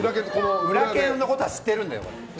裏拳のことは知ってるんだよ